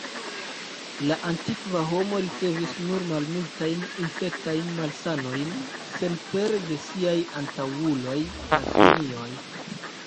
La antikva homo ricevis nur malmultajn infektajn malsanojn senpere de siaj antaŭuloj, la simioj.